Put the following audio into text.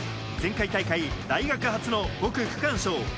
前回大会、大学初の５区区間賞。